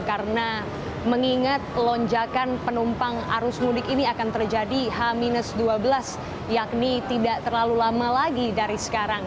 karena mengingat lonjakan penumpang arus mudik ini akan terjadi h dua belas yakni tidak terlalu lama lagi dari sekarang